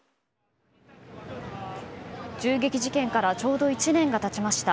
銃撃事件からちょうど１年がたちました。